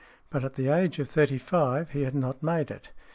But at the age of thirty five he had not made it.